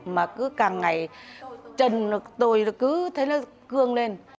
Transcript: mà cứ càng ngày trần tôi cứ thấy nó cương lên